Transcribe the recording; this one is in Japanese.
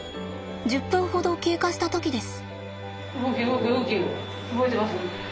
１０分ほど経過した時です。